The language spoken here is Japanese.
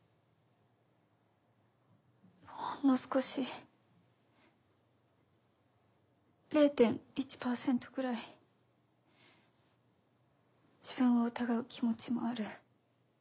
ほんの少し０．１％ぐらい自分を疑う気持ちもある。